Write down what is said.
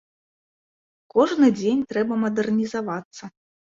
Кожны дзень трэба мадэрнізавацца.